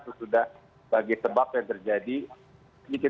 terus sudah bagi sebab yang terjadi